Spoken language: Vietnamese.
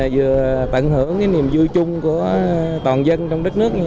vừa tận hưởng cái niềm vui chung của toàn dân trong đất nước